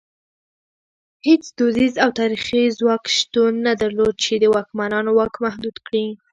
هېڅ دودیز او تاریخي ځواک شتون نه درلود چې د واکمنانو واک محدود کړي.